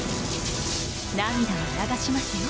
涙は流しますよ